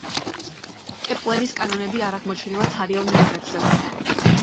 კეპლერის კანონები არ აღმოჩენილა ცარიელ ნიადაგზე.